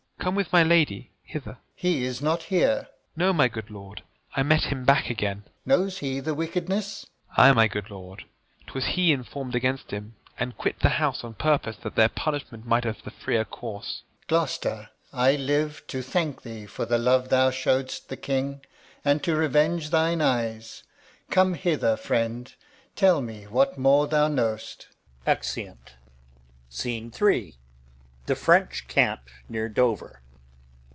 Gent. Come with my lady hither. Alb. He is not here. Gent. No, my good lord; I met him back again. Alb. Knows he the wickedness? Gent. Ay, my good lord. 'Twas he inform'd against him, And quit the house on purpose, that their punishment Might have the freer course. Alb. Gloucester, I live To thank thee for the love thou show'dst the King, And to revenge thine eyes. Come hither, friend. Tell me what more thou know'st. Exeunt. Scene III. The French camp near Dover.